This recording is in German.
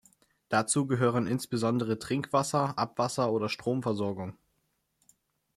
Dazu gehören insbesondere Trinkwasser-, Abwasser- oder Stromversorgung.